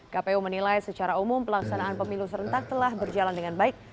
kpu menilai secara umum pelaksanaan pemilu serentak telah berjalan dengan baik